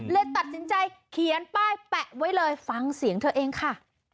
เลยตัดสินใจเขียนป้ายแปะไว้เลยฟังเสียงเธอเองค่ะ